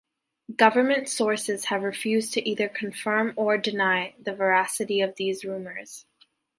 Government sources have refused to either confirm or deny the veracity of these rumours.